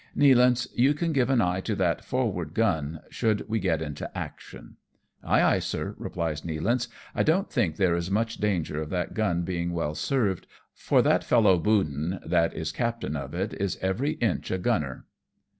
Nealance, you can give an eye to that forward gun, should we get into action." " Ay, ay, sir," replies Nealance, " I don't think there is much danger of that gun being well served, for that fellow Bounden, that is captain of it, is every inch a gunner."